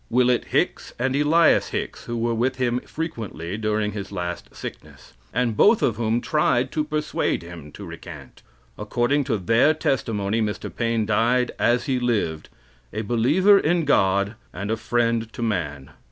Willet Hicks and Elias Hicks, who were with him frequently during his last sickness, and both of whom tried to persuade him to recant. According to their testimony Mr. Paine died as he lived a believer in God and a friend to man.